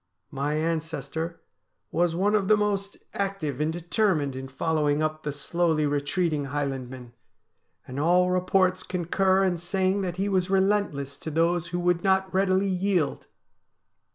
My ancestor was one of the most active THE PIPER OF CULLODEN 63 and determined in following up the slowly retreating Highland men, and all reports concur in saying that he was relentless to those who would not readily yield.